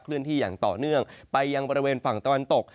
เลื่อนที่อย่างต่อเนื่องไปยังบริเวณฝั่งตะวันตก